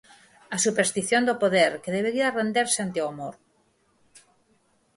A superstición do poder, que debería renderse ante o amor.